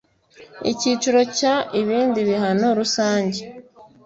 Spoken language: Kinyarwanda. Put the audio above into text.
icyiciro cya ibindi bihano rusange